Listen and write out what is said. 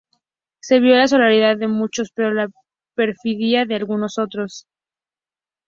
Se vio la solidaridad de muchos pero la perfidia de algunos otros.